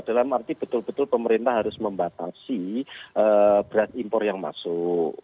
dalam arti betul betul pemerintah harus membatasi beras impor yang masuk